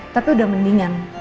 tapi udah mendingan